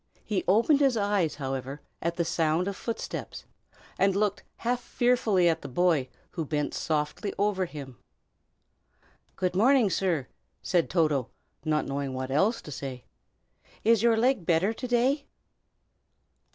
He opened his eyes, however, at the sound of footsteps, and looked half fearfully at the boy, who bent softly over him. "Good morning, sir!" said Toto, not knowing what else to say. "Is your leg better, to day?"